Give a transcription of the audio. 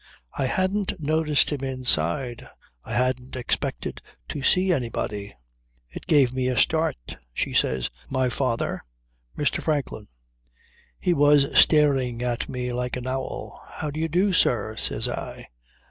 I hadn't noticed him inside. I hadn't expected to see anybody. It gave me a start. She says: "My father Mr. Franklin." He was staring at me like an owl. "How do you do, sir?" says I.